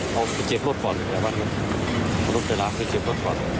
เขาเคยเจ็บรถก่อนแต่วันนั้นอาจารย์ก็เจ็บรถก่อน